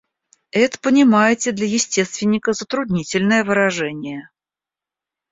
Это, понимаете, для естественника затруднительное выражение.